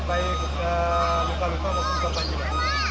baik lupa lupa maupun korban juga